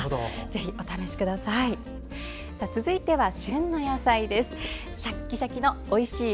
ぜひお試しください。